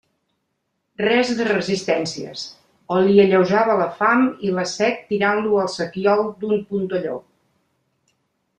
Res de resistències, o li alleujava la fam i la set tirant-lo al sequiol d'un puntelló.